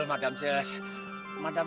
oh om bank coba datang